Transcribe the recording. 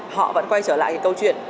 họ vẫn quay trở lại cái câu chuyện